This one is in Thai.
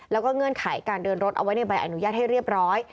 แล้วก็เงื่อนไขการเดินรถเอาไว้ในใบอนุญาตให้เรียบร้อย